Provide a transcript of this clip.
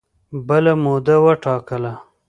بله موده وټاکله